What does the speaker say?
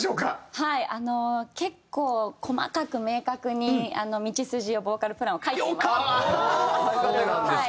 はいあの結構細かく明確に道筋をボーカルプランを書いています。